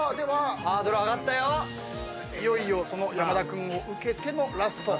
ではいよいよその山田君を受けてのラスト。